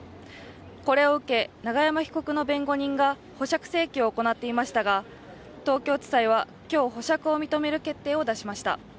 これを受け、永山被告の弁護人が保釈請求を行っていましたが、東京地裁は今日、保釈を認める決定を出しました。